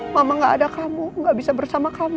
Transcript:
mama gak ada kamu gak bisa bersama kamu